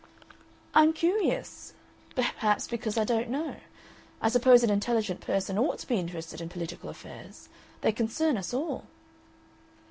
"I'm curious. Perhaps because I don't know. I suppose an intelligent person OUGHT to be interested in political affairs. They concern us all."